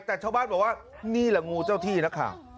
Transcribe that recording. แต่ชาวบ้านบอกว่านี่แหละงูเจ้าที่นักข่าว